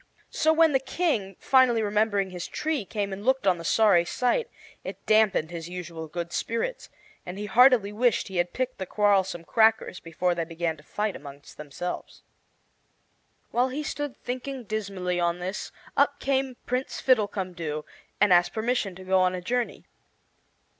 So when the King, finally remembering his tree, came and looked on the sorry sight, it dampened his usual good spirits, and he heartily wished he had picked the quarrelsome crackers before they began to fight among themselves. While he stood thinking dismally on this, up came Prince Fiddlecumdoo and asked permission to go on a journey.